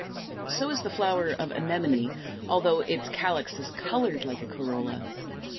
So is the flower of Anemone (Fig. 233), although its calyx is colored like a corolla.